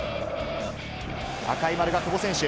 赤い丸が久保選手。